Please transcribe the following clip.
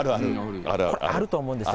これ、あると思うんですよ。